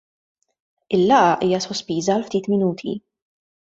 Il-laqgħa hija sospiża għal ftit minuti.